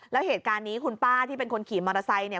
แล้วเหตุการณ์นี้คุณป้าที่เป็นคนขี่มอเตอร์ไซค์เนี่ย